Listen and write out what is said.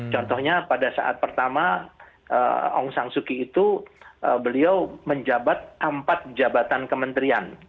contohnya pada saat pertama aung san suu kyi itu beliau menjabat empat jabatan kementerian